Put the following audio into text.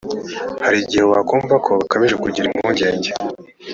hari igihe wakumva ko bakabije kugira impungenge